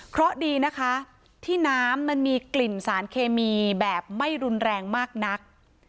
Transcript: เพราะดีนะคะที่น้ำมันมีกลิ่นสารเคมีแบบไม่รุนแรงมากนัก